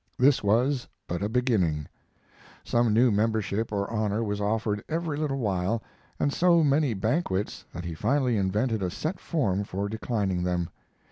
This was but a beginning. Some new membership or honor was offered every little while, and so many banquets that he finally invented a set form for declining them.